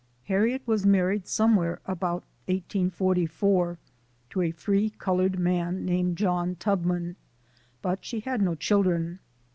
" Harriet was married somewhere about 1844, to a free colored man named John Tubman, but she had no children.